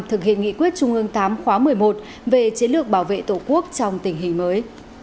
thực hiện nghị quyết trung ương tám khóa một mươi một về chiến lược bảo vệ tổ quốc trong tình hình mới